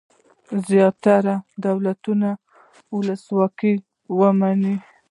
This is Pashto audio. زیاتره دولتونه ولسواکي ومني.